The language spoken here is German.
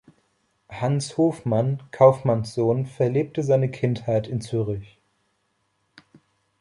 Hans Hofmann, Kaufmannssohn, verlebte seine Kindheit in Zürich.